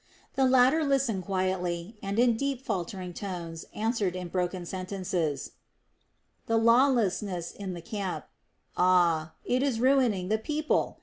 The latter listened quietly, and in deep, faltering tones answered in broken sentences: "The lawlessness in the camp ay, it is ruining the people!